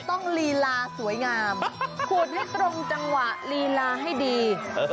ลีลาสวยงามขูดให้ตรงจังหวะลีลาให้ดี